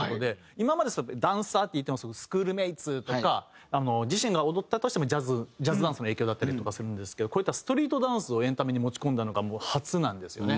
今までダンサーっていってもスクールメイツとか自身が踊ったとしてもジャズダンスの影響だったりとかするんですけどこういったストリートダンスをエンタメに持ち込んだのが初なんですよね。